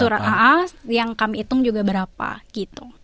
surat a yang kami hitung juga berapa gitu